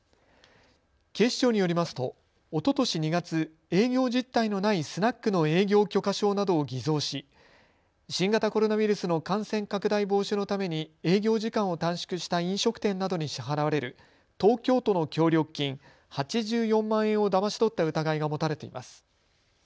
警視庁によりますとおととし２月、営業実態のないスナックの営業許可証などを偽造し新型コロナウイルスの感染拡大防止のために営業時間を短縮した飲食店などに支払われる東京都の協力金８４万円をだまし取った疑いが持たれています。